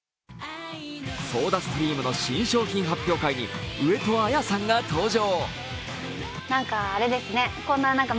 ソーダストリームの新ＣＭ発表会に上戸彩さんが登場。